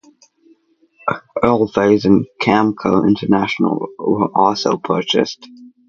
Oilphase and Camco International were also purchased.